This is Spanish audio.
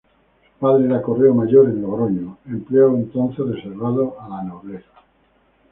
Su padre era correo mayor en Logroño, empleo entonces reservado a la nobleza.